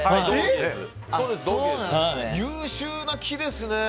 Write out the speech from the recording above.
優秀な期ですね。